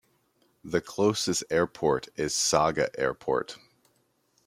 The closest airport is Saga Airport.